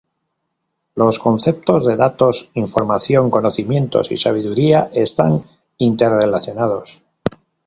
Los conceptos de datos, información, conocimientos y sabiduría están inter-relacionados.